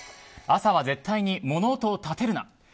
朝は絶対に物音をたてるな。